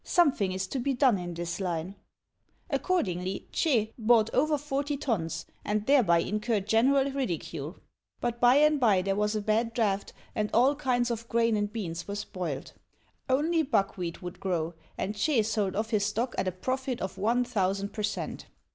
Something is to be done in this line." Accordingly, Ch'ê bought over forty tons, and thereby incurred general ridicule; but by and by there was a bad drought and all kinds of grain and beans were spoilt. Only buckwheat would grow, and Ch'ê sold off his stock at a profit of one thousand per cent.